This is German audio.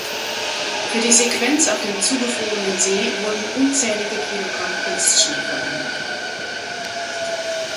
Für die Sequenz auf dem zugefrorenen See wurden unzählige Kilogramm Kunstschnee verwendet.